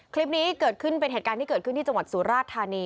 คลิปนี้เกิดขึ้นเป็นเหตุการณ์ที่เกิดขึ้นที่จังหวัดสุราชธานี